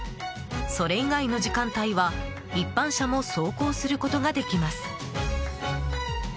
それ以外の時間帯は一般車も走行することができます。